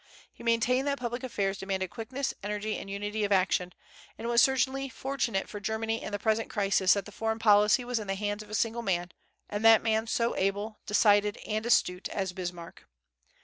He maintained that public affairs demanded quickness, energy, and unity of action; and it was certainly fortunate for Germany in the present crisis that the foreign policy was in the hands of a single man, and that man so able, decided, and astute as Bismarck.